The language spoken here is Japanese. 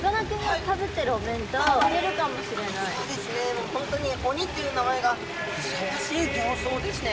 もう本当に鬼っていう名前がふさわしい形相ですね。